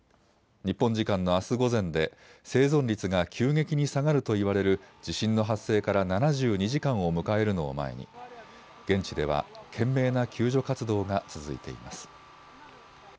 日本時間のあす午前で生存率が急激に下がるといわれる地震の発生から７２時間を迎えるのを前に現地では懸命な救助活動が続いています。